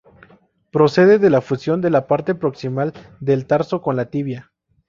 Procede de la fusión de la parte proximal del tarso con la tibia.